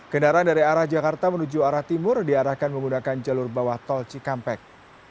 kendaraan dari arah jakarta menuju arah timur diarahkan menggunakan jalur bawah tol cikampek